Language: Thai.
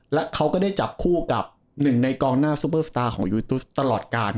และเขาก็ได้จับคู่กับหนึ่งในกองหน้าซูเปอร์สตาร์ของยูทูสตลอดการ